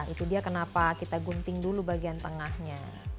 itu dia kenapa kita gunting dulu bagian tengahnya